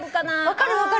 分かる分かる。